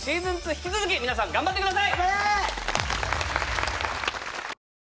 引き続き皆さん頑張ってください